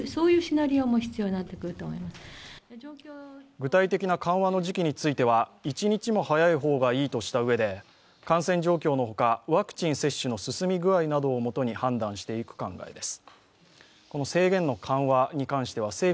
具体的な緩和の時期については一日も早い方がいいとしたうえで、感染状況のほかワクチン接種の進み具合などをもとに判断していく考えです。